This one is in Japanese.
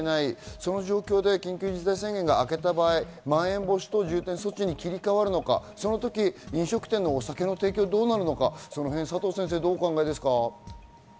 その状況で緊急事態宣言が明けた場合、まん延防止等重点措置に切り替わるのか、その時、飲食店のお酒の提供はどうなるのかその辺どうお考えです